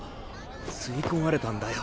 吸い込まれたんだよ